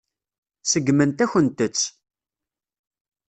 Seggment-akent-tt.